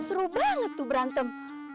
seru banget tuh berantem